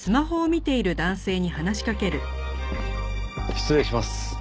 失礼します。